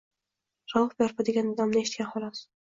Rauf Parfi degan nomni eshitgan, xolos.